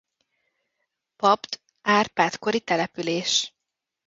Papd Árpád-kori település.